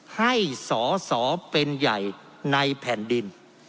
ให้สอสอเป็นใหญ่ในแผ่นดิน